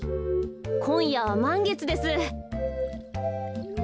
こんやはまんげつです。